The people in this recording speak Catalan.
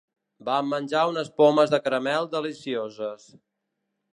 Vam menjar unes pomes de caramel delicioses.